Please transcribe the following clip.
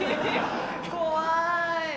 怖い。